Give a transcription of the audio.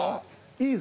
いいぞ。